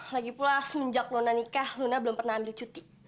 lagipula semenjak luna nikah luna belum pernah ambil cuti